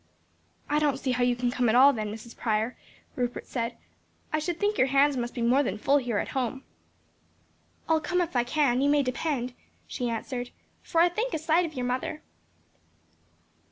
"I don't see how you can come at all then, Mrs. Prior," Rupert said, "I should think your hands must be more than full here at home." "I'll come if I can, you may depend," she answered, "for I think a sight of your mother."